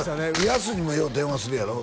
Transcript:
やすにもよう電話するやろ？